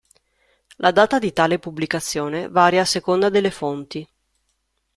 La data di tale pubblicazione varia a seconda delle fonti.